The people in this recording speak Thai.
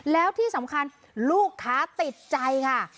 แล้วที่สำคัญลูกค้าติดใจค่ะ